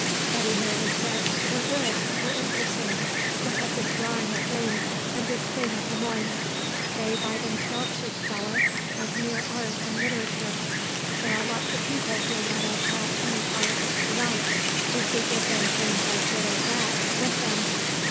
Eddy merely said, "We're good. We're interesting. Look at this drawing of Jane's; and this thing of Le Moine's. They by themselves should sell us, as mere art and literature. There are lots of people who'll let us have any politics we like if we give them things as good as that with them."